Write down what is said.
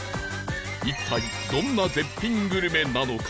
一体どんな絶品グルメなのか？